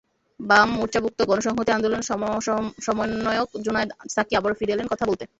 বাম মোর্চাভুক্ত গণসংহতি আন্দোলনের সমন্বয়ক জোনায়েদ সাকি আবারও ফিরে এলেন কথা বলতে।